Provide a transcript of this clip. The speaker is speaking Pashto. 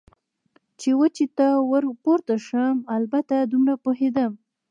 چې وچې ته ور پورته شم، البته دومره پوهېدم.